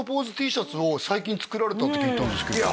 Ｔシャツを最近作られたって聞いたんですけどいや